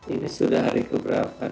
ini sudah hari keberapa